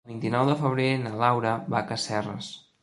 El vint-i-nou de febrer na Laura va a Casserres.